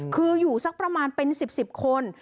คืออยู่สักประมาณเป็น๑๐๑๐คน